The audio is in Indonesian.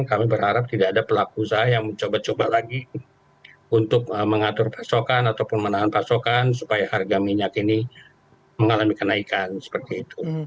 kami berharap tidak ada pelaku usaha yang mencoba coba lagi untuk mengatur pasokan ataupun menahan pasokan supaya harga minyak ini mengalami kenaikan seperti itu